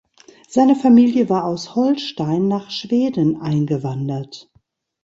Seine Familie war aus Holstein nach Schweden eingewandert.